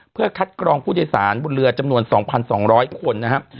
เพื่อคัดกรองผู้โดยสารบนเรือจำนวน๒๒๐๐คนนะครับ